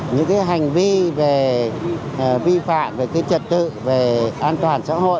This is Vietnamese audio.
những hành vi về vi phạm về trật tự về an toàn xã hội